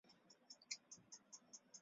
伯姬的事迹得到了春秋的赞颂。